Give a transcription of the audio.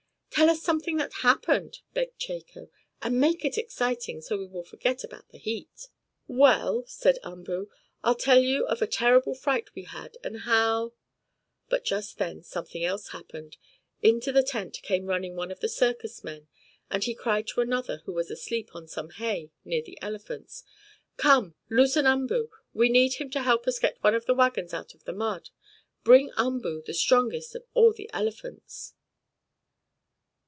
"Tell us something that happened!" begged Chako, "and make it exciting, so we will forget about the heat!" "Well," said Umboo, "I'll tell you of a terrible fright we had, and how " But just then something else happened. Into the tent came running one of the circus men, and he cried to another, who was asleep on some hay near the elephants. "Come! Loosen Umboo! We need him to help us get one of the wagons out of the mud! Bring Umboo, the strongest of all elephants!"